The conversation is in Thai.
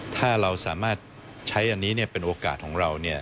ถ้าเราสามารถใช้อันนี้เป็นโอกาสของเรา